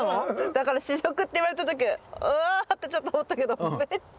だから試食って言われた時うわってちょっと思ったけど。